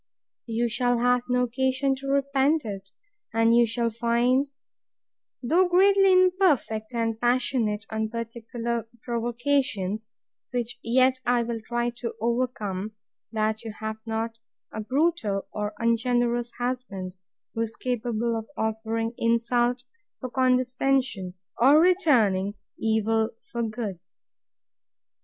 You shall have no occasion to repent it: And you shall find, though greatly imperfect, and passionate, on particular provocations, (which yet I will try to overcome,) that you have not a brutal or ungenerous husband, who is capable of offering insult for condescension, or returning evil for good.